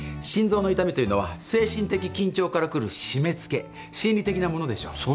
心臓の痛みというのは精神的緊張から来る締め付け心理的なものでしょう。